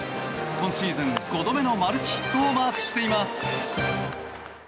今シーズン５度目のマルチヒットをマークしています。